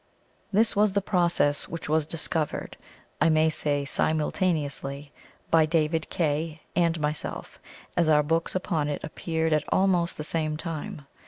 This was the process which was discovered, I may say simultaneously, by DAVID KAY and myself, as our books upon it appeared at almost the same time.